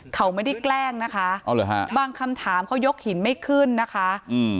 เขาไม่ได้แกล้งนะคะอ๋อเหรอฮะบางคำถามเขายกหินไม่ขึ้นนะคะอืม